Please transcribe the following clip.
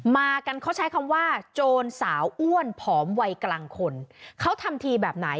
มากันเขาใช้คำว่าโจรสาวอ้วนผอมวัยกลางคนเขาทำทีแบบไหน